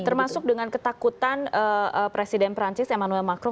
termasuk dengan ketakutan presiden perancis emmanuel macron